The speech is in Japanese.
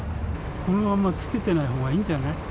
このまんまつけてないほうがいいんじゃない。